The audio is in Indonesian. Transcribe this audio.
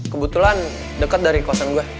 kebetulan deket dari kosong gue